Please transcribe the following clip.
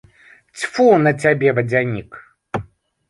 Цьфу на цябе, вадзянік.